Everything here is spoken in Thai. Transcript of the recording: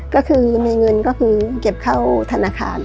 ก็คือมีเงินก็คือเก็บเข้าธนาคาร